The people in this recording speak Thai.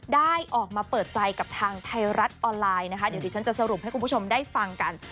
ได้ออกมาเปิดใจกับทางไทยรัฐออนไลน์นะคะเดี๋ยวดิฉันจะสรุปให้คุณผู้ชมได้ฟังกัน